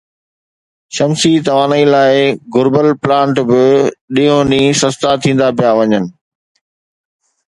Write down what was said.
شمسي توانائي لاءِ گھربل پلانٽ به ڏينهون ڏينهن سستا ٿيندا پيا وڃن